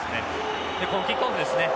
このキックオフですね。